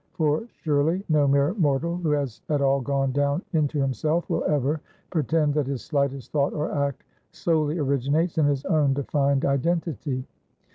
For surely no mere mortal who has at all gone down into himself will ever pretend that his slightest thought or act solely originates in his own defined identity.